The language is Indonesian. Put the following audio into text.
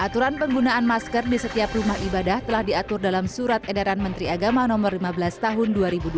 aturan penggunaan masker di setiap rumah ibadah telah diatur dalam surat edaran menteri agama no lima belas tahun dua ribu dua puluh